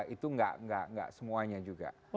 itu enggak semuanya juga